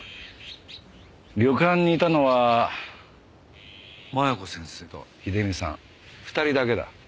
旅館にいたのは麻弥子先生と秀美さん２人だけだ。